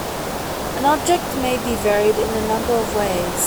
An object may be varied in a number of ways.